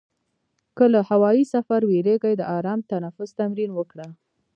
که له هوایي سفر وېرېږې، د آرام تنفس تمرین وکړه.